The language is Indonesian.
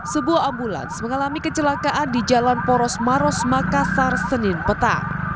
sebuah ambulans mengalami kecelakaan di jalan poros maros makassar senin petang